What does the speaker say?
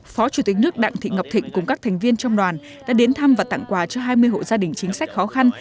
phó chủ tịch nước đặng thị ngọc thịnh cùng các thành viên trong đoàn đã đến thăm và tặng quà cho hai mươi hộ gia đình chính sách khó khăn